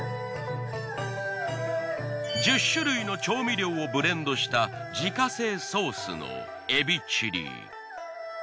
１０種類の調味料をブレンドした自家製ソースのエビチリ。